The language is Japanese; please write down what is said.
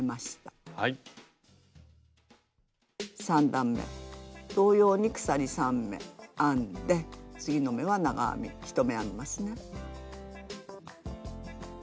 ３段め同様に鎖３目編んで次の目は長編み１目編みますね。